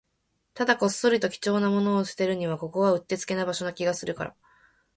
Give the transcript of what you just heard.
ただ、こっそりと貴重なものを捨てるには、ここはうってつけな場所な気がするから